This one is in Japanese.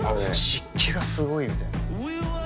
湿気がすごいみたいな。